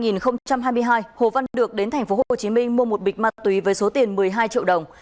năm hai nghìn hai mươi hai hồ văn được đến tp hcm mua một bịch ma túy với số tiền một mươi hai triệu đồng